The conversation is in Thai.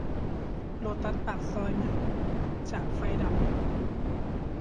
โลตัสปากซอยเหมือนจะไฟดับ